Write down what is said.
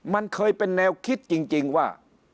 มันเคยเป็นแนวคิดจริงว่า